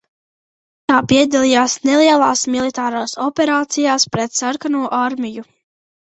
Tā piedalījās nelielās militārās operācijās pret Sarkano armiju.